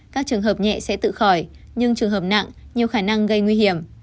các trường hợp nhẹ sẽ tự khỏi nhưng trường hợp nặng nhiều khả năng gây nguy hiểm